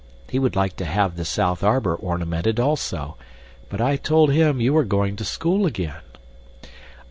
He would like to have the south arbor ornamented, also, but I told him you were going to school again."